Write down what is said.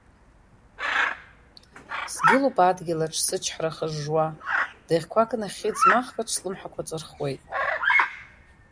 Сгылоуп адгьылаҿ, сычҳара хыжжуа, даӷьқәак нахьхьи ӡмахкаҿ слымҳақәа ҵырхуеит.